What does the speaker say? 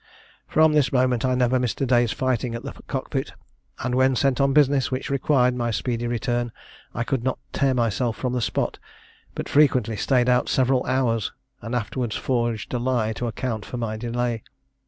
"From this moment I never missed a day's fighting at the cock pit; and when sent on business which required my speedy return, I could not tear myself from the spot, but frequently stayed out several hours, and, afterwards forged a lie to account for my delay.